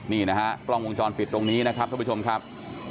นี่นะฮะกล้องวงจรปิดตรงนี้นะครับท่านผู้ชมครับ